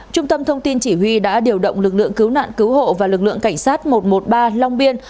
trung tâm thông tin chỉ huy đã điều động lực lượng cứu nạn cứu hộ và lực lượng cảnh sát một trăm một mươi ba long biên